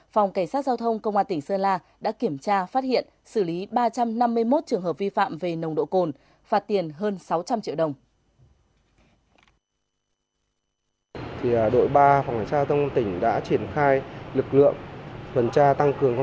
phòng cảnh sát giao thông công an tỉnh sơn la đã kiểm tra phát hiện xử lý ba trăm năm mươi một trường hợp vi phạm về nồng độ cồn